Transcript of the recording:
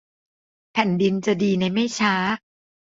แผ่นดินจะดีในไม่ช้า